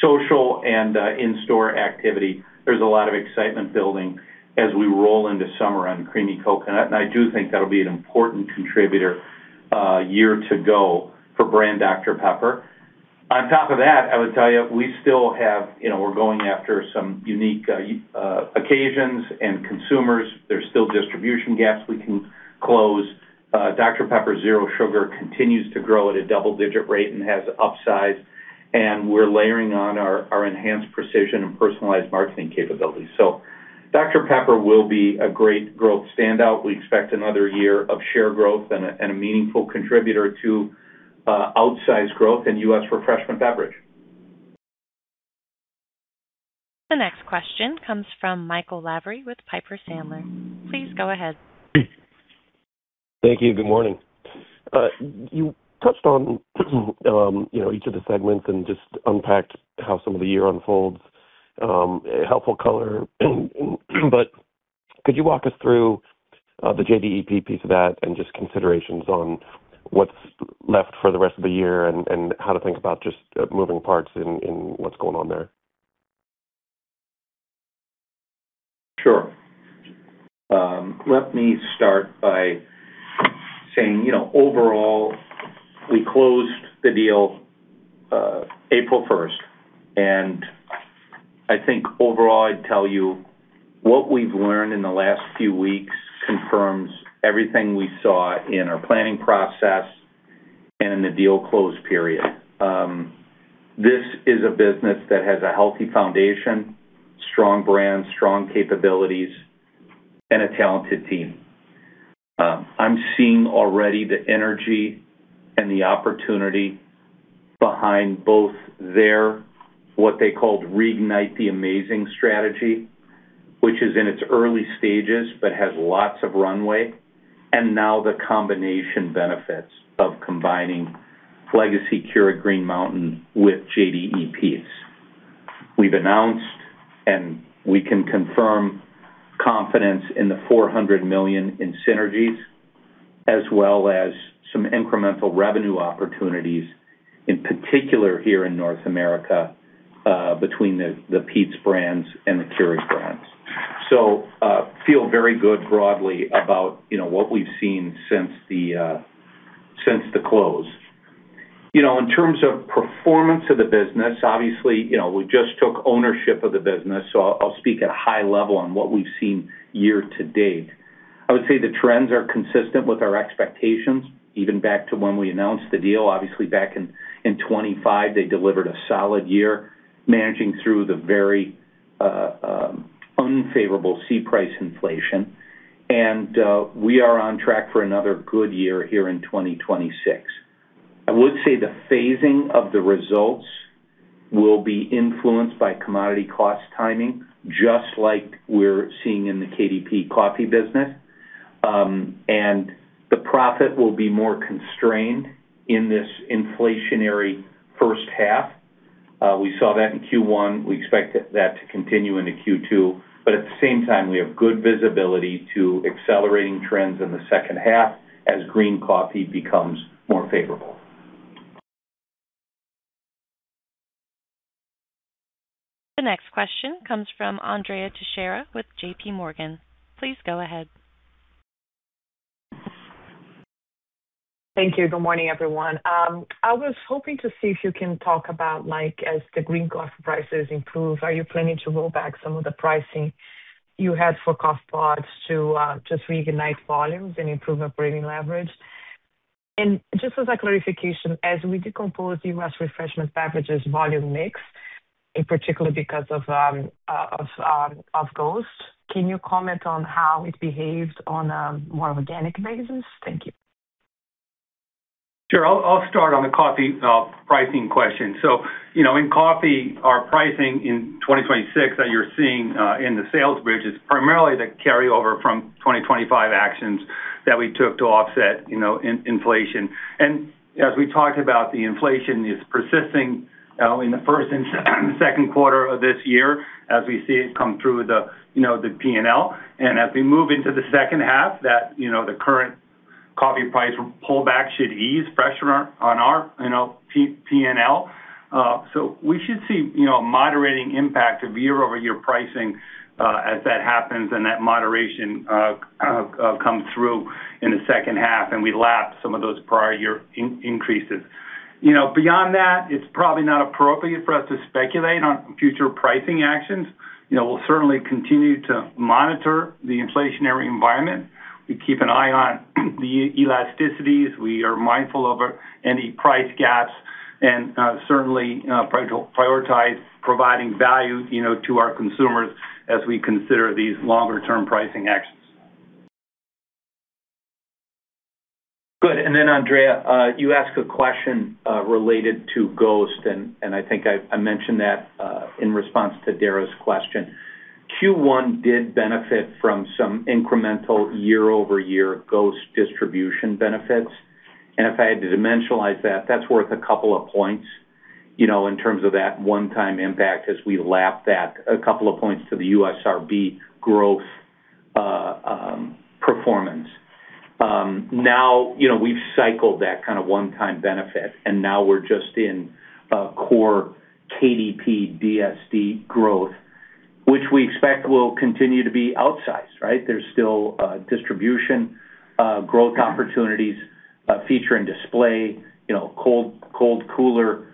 C: social and in-store activity. There's a lot of excitement building as we roll into summer on Creamy Coconut, and I do think that'll be an important contributor year to go for brand Dr Pepper. On top of that, I would tell you we're going after some unique occasions and consumers. There's still distribution gaps we can close. Dr Pepper Zero Sugar continues to grow at a double-digit rate and has upside, and we're layering on our enhanced precision and personalized marketing capabilities. Dr Pepper will be a great growth standout. We expect another year of share growth and a meaningful contributor to outsized growth in U.S. Refreshment Beverage.
A: The next question comes from Michael Lavery with Piper Sandler. Please go ahead.
G: Thank you. Good morning. You touched on each of the segments and just unpacked how some of the year unfolds. Helpful color. Could you walk us through the JDEP piece of that and just considerations on what's left for the rest of the year and how to think about just moving parts and what's going on there?
C: Sure. Let me start by saying, overall, we closed the deal April 1st, and I think overall, I'd tell you what we've learned in the last few weeks confirms everything we saw in our planning process and in the deal close period. This is a business that has a healthy foundation, strong brands, strong capabilities, and a talented team. I'm seeing already the energy and the opportunity behind both their, what they called, Reignite the Amazing strategy, which is in its early stages but has lots of runway, and now the combination benefits of combining legacy Keurig Green Mountain with JDE Peet's. We've announced and we can confirm confidence in the $400 million in synergies as well as some incremental revenue opportunities, in particular here in North America, between the Peet's brands and the Keurig brands. Feel very good broadly about what we've seen since the close. In terms of performance of the business, obviously, we just took ownership of the business, so I'll speak at a high level on what we've seen year to date. I would say the trends are consistent with our expectations, even back to when we announced the deal. Obviously back in 2025, they delivered a solid year managing through the very unfavorable C price inflation. We are on track for another good year here in 2026. I would say the phasing of the results will be influenced by commodity cost timing, just like we're seeing in the KDP Coffee business. The profit will be more constrained in this inflationary first half. We saw that in Q1. We expect that to continue into Q2. At the same time, we have good visibility to accelerating trends in the second half as green coffee becomes more favorable.
A: The next question comes from Andrea Teixeira with JPMorgan. Please go ahead.
H: Thank you. Good morning, everyone. I was hoping to see if you can talk about, as the green coffee prices improve, are you planning to roll back some of the pricing you had for cost parts to just reignite volumes and improve operating leverage? Just as a clarification, as we decompose U.S. Refreshment Beverages volume mix, in particular because of Ghost, can you comment on how it behaved on a more organic basis? Thank you.
D: Sure. I'll start on the coffee pricing question. In Coffee, our pricing in 2026 that you're seeing in the sales bridge is primarily the carryover from 2025 actions that we took to offset inflation. As we talked about, the inflation is persisting in the first and second quarter of this year as we see it come through the P&L. As we move into the second half, the current coffee price pullback should ease pressure on our P&L. We should see a moderating impact of year-over-year pricing as that happens and that moderation comes through in the second half and we lap some of those prior year increases. Beyond that, it's probably not appropriate for us to speculate on future pricing actions. We'll certainly continue to monitor the inflationary environment. We keep an eye on the elasticities. We are mindful of any price gaps and certainly prioritize providing value to our consumers as we consider these longer-term pricing actions.
C: Good. And then Andrea, you asked a question related to Ghost, and I think I mentioned that in response to Dara's question. Q1 did benefit from some incremental year-over-year Ghost distribution benefits. If I had to dimensionalize that's worth a couple of points in terms of that one-time impact as we lap that a couple of points to the USRB growth performance. Now we've cycled that kind of one-time benefit, and now we're just in core KDP DSD growth, which we expect will continue to be outsized, right? There's still distribution growth opportunities, feature and display, cold cooler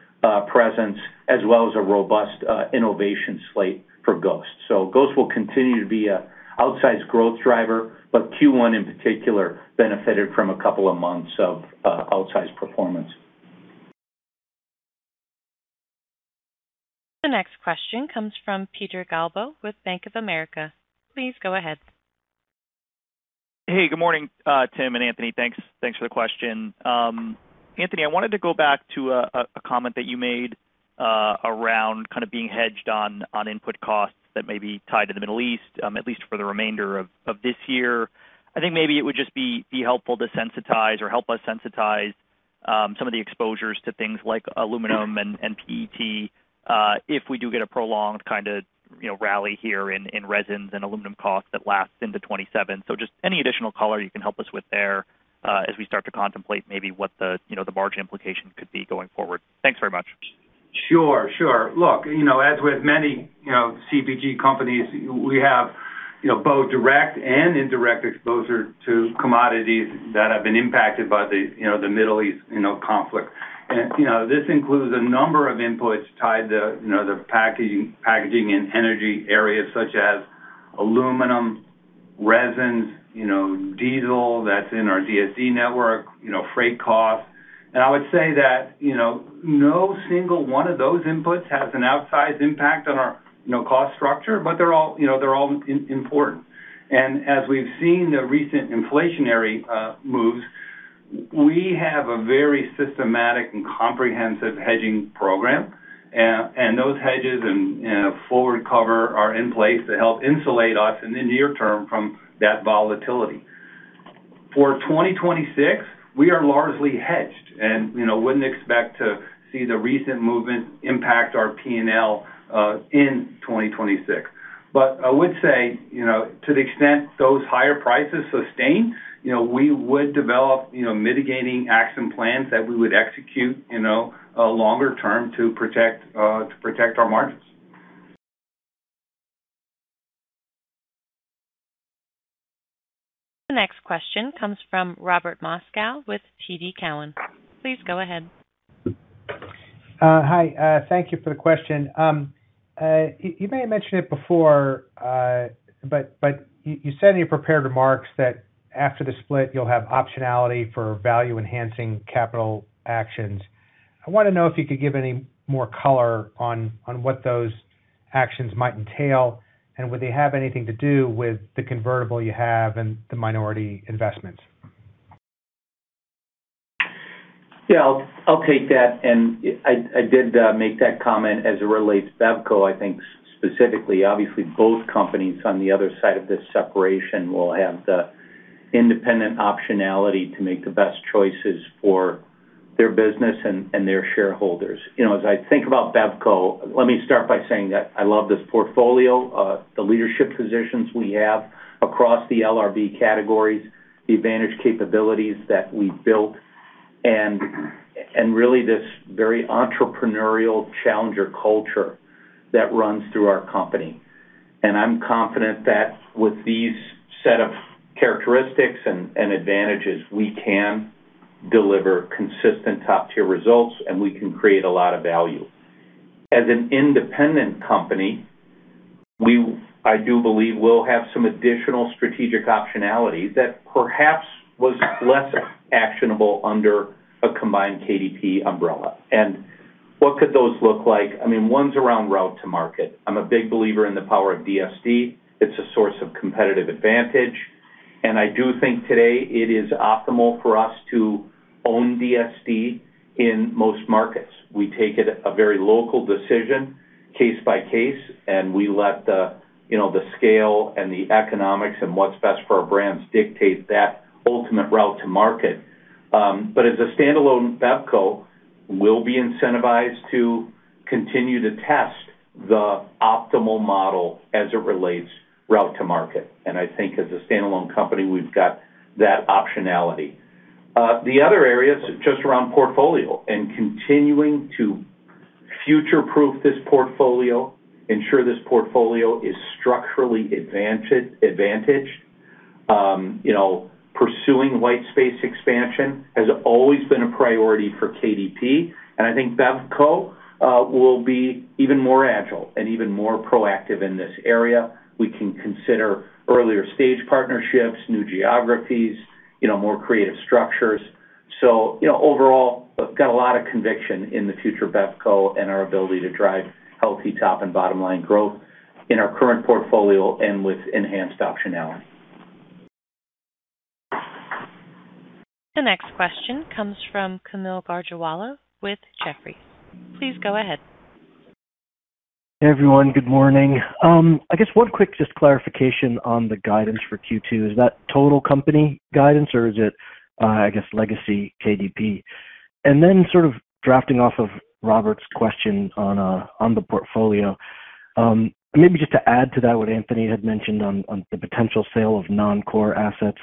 C: presence, as well as a robust innovation slate for Ghost. Ghost will continue to be an outsized growth driver, but Q1 in particular benefited from a couple of months of outsized performance.
A: The next question comes from Peter Galbo with Bank of America. Please go ahead.
I: Hey, good morning, Tim and Anthony. Thanks for the question. Anthony, I wanted to go back to a comment that you made around kind of being hedged on input costs that may be tied to the Middle East, at least for the remainder of this year. I think maybe it would just be helpful to sensitize or help us sensitize some of the exposures to things like aluminum and PET, if we do get a prolonged kind of rally here in resins and aluminum costs that lasts into 2027. Just any additional color you can help us with there as we start to contemplate maybe what the margin implications could be going forward. Thanks very much.
D: Sure. Look, as with many CPG companies, we have both direct and indirect exposure to commodities that have been impacted by the Middle East conflict. This includes a number of inputs tied to the packaging and energy areas such as aluminum, resins, diesel that's in our DSD network, freight costs. I would say that, no single one of those inputs has an outsized impact on our cost structure, but they're all important. As we've seen the recent inflationary moves, we have a very systematic and comprehensive hedging program, and those hedges and forward cover are in place to help insulate us in the near term from that volatility. For 2026, we are largely hedged and wouldn't expect to see the recent movement impact our P&L, in 2026. I would say, to the extent those higher prices sustain, we would develop mitigating action plans that we would execute longer-term to protect our margins.
A: The next question comes from Robert Moskow with TD Cowen. Please go ahead.
J: Hi. Thank you for the question. You may have mentioned it before, but you said in your prepared remarks that after the split, you'll have optionality for value-enhancing capital actions. I want to know if you could give any more color on what those actions might entail, and would they have anything to do with the convertible you have and the minority investments?
C: Yeah, I'll take that. I did make that comment as it relates to BevCo. I think specifically, obviously both companies on the other side of this separation will have the independent optionality to make the best choices for their business and their shareholders. As I think about BevCo, let me start by saying that I love this portfolio, the leadership positions we have across the LRB categories, the advantage capabilities that we've built and really this very entrepreneurial challenger culture that runs through our company. I'm confident that with these set of characteristics and advantages, we can deliver consistent top-tier results, and we can create a lot of value. As an independent company, I do believe we'll have some additional strategic optionality that perhaps was less actionable under a combined KDP umbrella. What could those look like? One's around route to market. I'm a big believer in the power of DSD. It's a source of competitive advantage, and I do think today it is optimal for us to own DSD in most markets. We take it a very local decision case by case, and we let the scale and the economics and what's best for our brands dictate that ultimate route to market. As a standalone, BevCo will be incentivized to continue to test the optimal model as it relates route to market. I think as a standalone company, we've got that optionality. The other area is just around portfolio and continuing to future-proof this portfolio, ensure this portfolio is structurally advantaged. Pursuing white space expansion has always been a priority for KDP, and I think BevCo will be even more agile and even more proactive in this area. We can consider earlier-stage partnerships, new geographies more creative structures. Overall, I've got a lot of conviction in the future of BevCo and our ability to drive healthy top and bottom line growth in our current portfolio and with enhanced optionality.
A: The next question comes from Kaumil Gajrawala with Jefferies. Please go ahead.
K: Hey everyone. Good morning. I guess one quick just clarification on the guidance for Q2. Is that total company guidance or is it, I guess, legacy KDP? Then sort of riffing off of Robert's question on the portfolio, maybe just to add to that what Anthony had mentioned on the potential sale of non-core assets,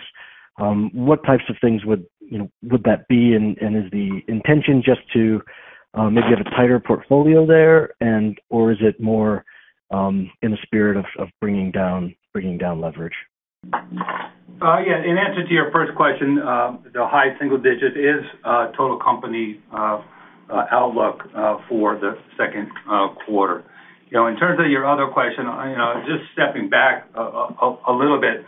K: what types of things would that be? Is the intention just to maybe have a tighter portfolio there and/or is it more in the spirit of bringing down leverage?
D: Yeah. In answer to your first question, the high single digit is total company outlook for the second quarter. In terms of your other question, just stepping back a little bit,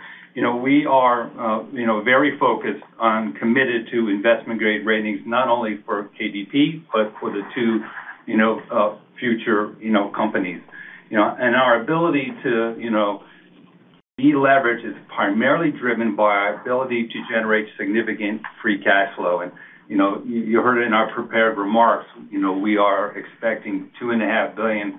D: we are very focused and committed to investment-grade ratings, not only for KDP but for the two future companies. Our ability to deleverage is primarily driven by our ability to generate significant free cash flow. You heard it in our prepared remarks, we are expecting $2.5 billion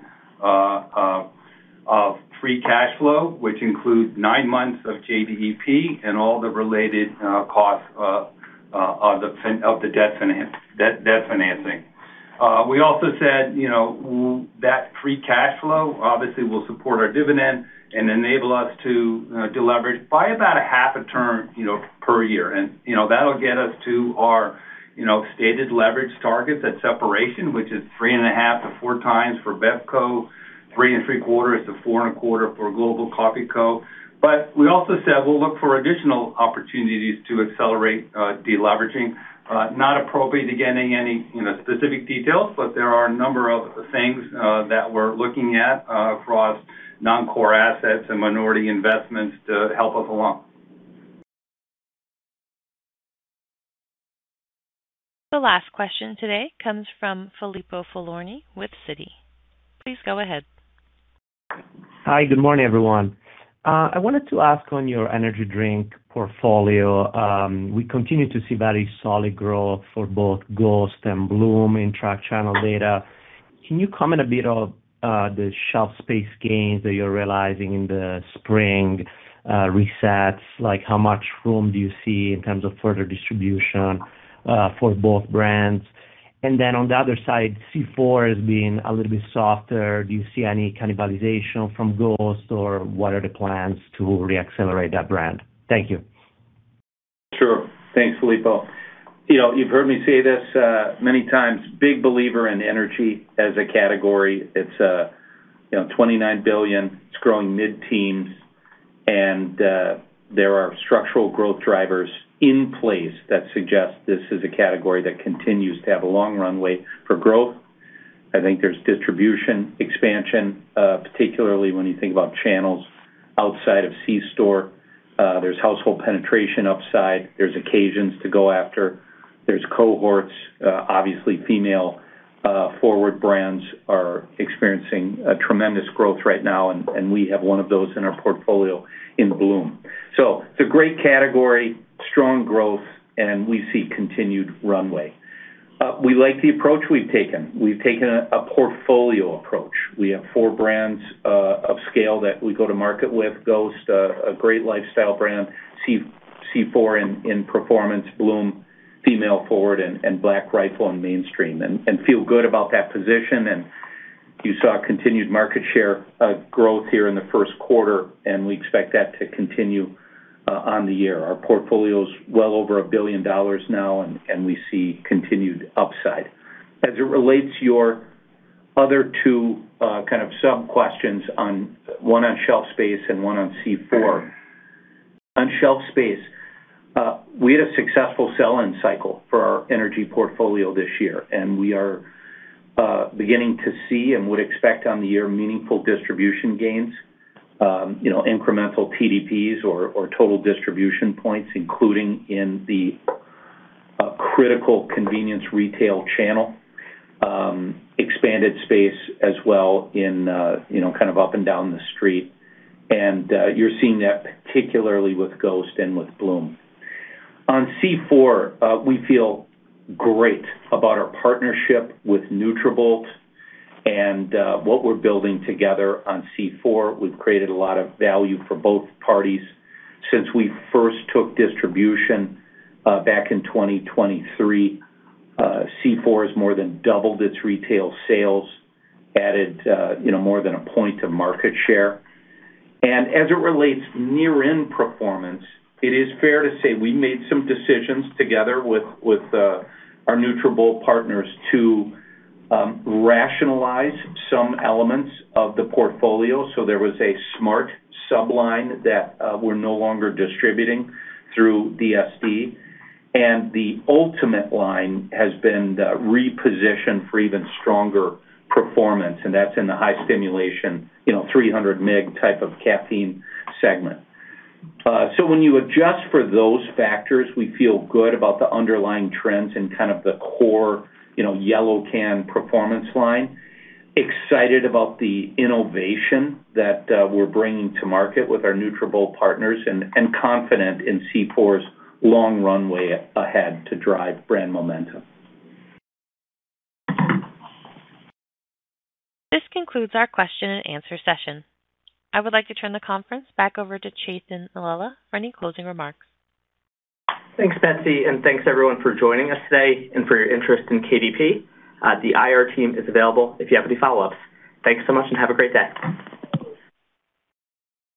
D: of free cash flow, which includes nine months of JDEP and all the related costs of the debt financing. We also said that free cash flow obviously will support our dividend and enable us to deleverage by about half a turn per year. That'll get us to our stated leverage targets at separation, which is 3.5x-4x for BevCo, 3.75x-4.25x for Global Coffee Co. We also said we'll look for additional opportunities to accelerate deleveraging. Not appropriate to get any specific details, but there are a number of things that we're looking at across non-core assets and minority investments to help us along.
A: The last question today comes from Filippo Falorni with Citi. Please go ahead.
L: Hi. Good morning, everyone. I wanted to ask on your energy drink portfolio. We continue to see very solid growth for both Ghost and Bloom in tracked channel data. Can you comment a bit on the shelf space gains that you're realizing in the spring resets? Like, how much room do you see in terms of further distribution for both brands? And then on the other side, C4 has been a little bit softer. Do you see any cannibalization from Ghost or what are the plans to re-accelerate that brand? Thank you.
C: Sure. Thanks, Filippo. You've heard me say this many times, big believer in energy as a category. It's $29 billion, it's growing mid-teens, and there are structural growth drivers in place that suggest this is a category that continues to have a long runway for growth. I think there's distribution expansion, particularly when you think about channels outside of C store. There's household penetration upside. There's occasions to go after. There's cohorts, obviously female forward brands are experiencing a tremendous growth right now, and we have one of those in our portfolio in Bloom. It's a great category, strong growth, and we see continued runway. We like the approach we've taken. We've taken a portfolio approach. We have four brands of scale that we go to market with, Ghost, a great lifestyle brand, C4 in performance, Bloom, female forward, and Black Rifle in mainstream, and feel good about that position. You saw continued market share growth here in the first quarter, and we expect that to continue on the year. Our portfolio's well over $1 billion now, and we see continued upside. As it relates to your other two kind of sub-questions on, one on shelf space and one on C4. On shelf space, we had a successful sell-in cycle for our energy portfolio this year, and we are beginning to see and would expect on the year meaningful distribution gains, incremental PDPs or total distribution points, including in the critical convenience retail channel, expanded space as well in kind of up and down the street. You're seeing that particularly with Ghost and with Bloom. On C4, we feel great about our partnership with Nutrabolt and what we're building together on C4. We've created a lot of value for both parties since we first took distribution back in 2023. C4 has more than doubled its retail sales, added more than a point to market share. As it relates year-end performance, it is fair to say we made some decisions together with our Nutrabolt partners to rationalize some elements of the portfolio. There was a Smart sub-line that we're no longer distributing through DSD, and the Ultimate line has been repositioned for even stronger performance, and that's in the high stimulation, 300 mg type of caffeine segment. When you adjust for those factors, we feel good about the underlying trends in kind of the core yellow can performance line, excited about the innovation that we're bringing to market with our Nutrabolt partners, and confident in C4's long runway ahead to drive brand momentum.
A: This concludes our question and answer session. I would like to turn the conference back over to Chethan Mallela for any closing remarks.
B: Thanks, Betsy, and thanks everyone for joining us today and for your interest in KDP. The IR team is available if you have any follow-ups. Thanks so much and have a great day.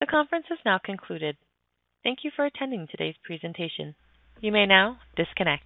A: The conference is now concluded. Thank you for attending today's presentation. You may now disconnect.